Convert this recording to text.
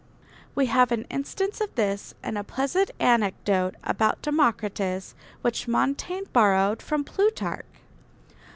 We have an instance of this in a pleasant anecdote about Democritus, which Montaigne borrowed from Plutarch.